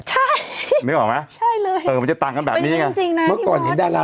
ใช่นึกออกไหมใช่เลยเออมันจะต่างกันแบบนี้ไงเป็นจริงจริงน่ะพี่บอส